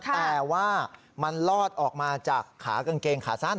แต่ว่ามันลอดออกมาจากขากางเกงขาสั้น